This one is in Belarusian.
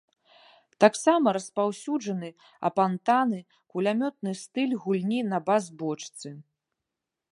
Таксама распаўсюджаны апантаны, кулямётны стыль гульні на бас-бочцы.